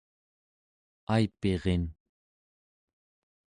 aipirin